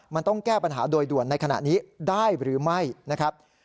มันต้องแก้ปัญหาโดยด่วนในขณะนี้ได้หรือไม่นะครับ